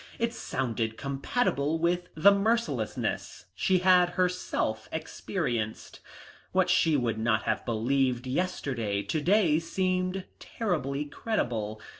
It sounded compatible with the mercilessness she had herself experienced. What she would not have believed yesterday to day seemed terribly credible.